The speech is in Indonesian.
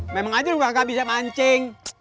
memang aja udah gak bisa mancing